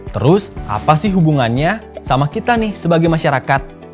terus apa sih hubungannya sama kita nih sebagai masyarakat